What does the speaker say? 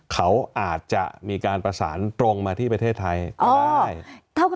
เขาอาจจะมีการประสานตรงมาที่ประเทศไทยก็ได้